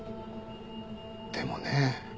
でもね